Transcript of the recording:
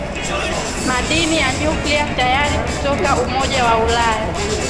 madini ya nuclear tayari kutoka umoja wa ulaya